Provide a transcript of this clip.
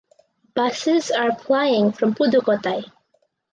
Buses are plying from Pudukottai.